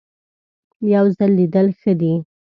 یو ځل لیدل ښه دي .